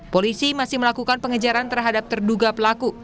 polisi masih melakukan pengejaran terhadap terduga pelaku